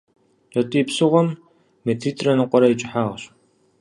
Кӏэтӏий псыгъуэм метритӏрэ ныкъуэрэ и кӏыхьагъщ.